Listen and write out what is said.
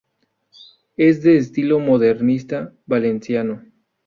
Es de estilo modernista valenciano.